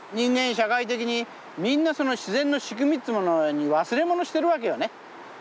社会的にみんなその自然の仕組みってものに忘れ物してるわけよね。